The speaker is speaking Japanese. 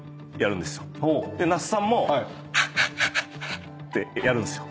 那須さんも「ハッハッハッハッ！」ってやるんですよ。